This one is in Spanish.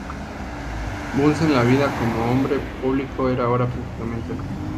Bunsen la vida como hombre público era ahora prácticamente al final.